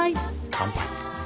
乾杯。